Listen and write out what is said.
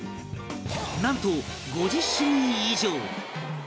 なんと５０種類以上